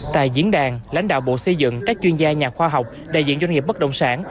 tại diễn đàn lãnh đạo bộ xây dựng các chuyên gia nhà khoa học đại diện doanh nghiệp bất động sản